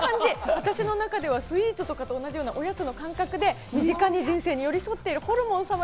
私の中ではスイーツとかと同じようなおやつの感覚で、身近に人生に寄り添っているホルモン。